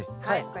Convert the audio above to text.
はい。